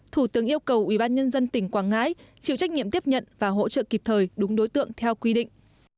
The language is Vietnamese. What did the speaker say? thủ tướng yêu cầu ubnd tỉnh quảng ngãi chịu trách nhiệm tiếp nhận và hỗ trợ kịp thời đúng đối tượng theo quy định